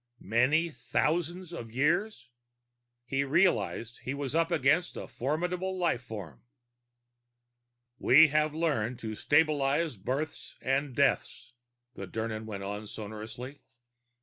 Many thousands of years! He realized he was up against a formidable life form. "We have learned to stabilize births and deaths," the Dirnan went on sonorously.